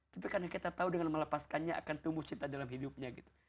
tapi karena kita tahu dengan melepaskannya akan tumbuh cinta dalam hidupnya gitu